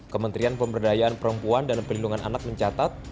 kementerian pemberdayaan perempuan dan pelindungan anak mencatat